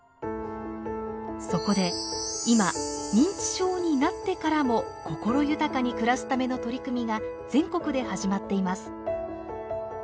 そこで今認知症になってからも心豊かに暮らすための取り組みが全国で始まっています。